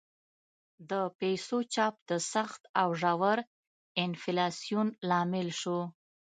د پیسو چاپ د سخت او ژور انفلاسیون لامل شو.